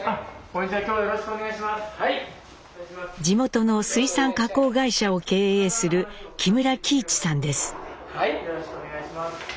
地元の水産加工会社を経営する木村喜一さんです。